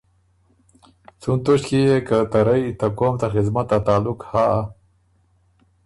څُون توݭکيې يې که رئ ته قوم ته خدمت ا تعلق هۀ۔